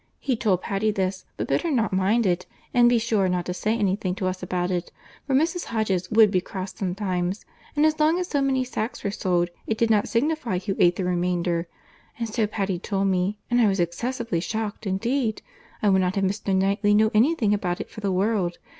He told Patty this, but bid her not mind it, and be sure not to say any thing to us about it, for Mrs. Hodges would be cross sometimes, and as long as so many sacks were sold, it did not signify who ate the remainder. And so Patty told me, and I was excessively shocked indeed! I would not have Mr. Knightley know any thing about it for the world!